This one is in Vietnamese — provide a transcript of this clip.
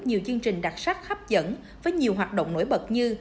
nhiều chương trình đặc sắc hấp dẫn với nhiều hoạt động nổi bật như